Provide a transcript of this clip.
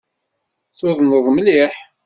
Tudneḍ mliḥ.